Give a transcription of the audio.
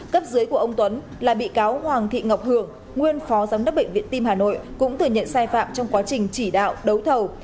cấp dưới của ông tuấn là bị cáo hoàng thị ngọc hưởng nguyên phó giám đốc bệnh viện tim hà nội cũng thừa nhận sai phạm trong quá trình chỉ đạo đấu thầu